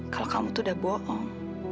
kalau kamu tuh udah bohong